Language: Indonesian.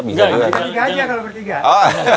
bisa bertiga aja kalau bertiga